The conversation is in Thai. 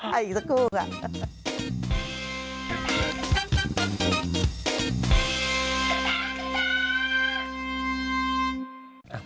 คลั่งอีกสักคู่ก่อน